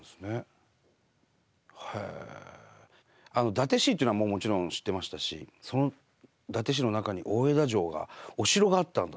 伊達というのはもうもちろん知ってましたしその伊達の中に大條城がお城があったんだという。